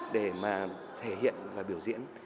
để mà thể hiện và biểu diễn